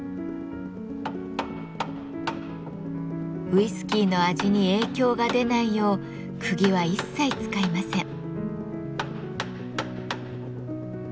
ウイスキーの味に影響が出ないようくぎは一切使いません。